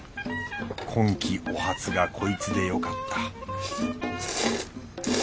今期お初がこいつでよかった